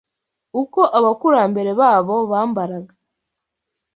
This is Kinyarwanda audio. uko abakurambere babo bambaraga.